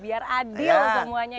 biar adil semuanya ya